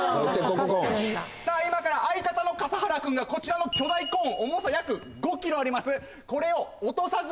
さあ今から相方のかさはら君がこちらの巨大コーン重さ約５ｋｇあります